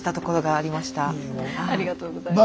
ありがとうございます。